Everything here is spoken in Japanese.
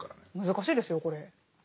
難しいですよこれ。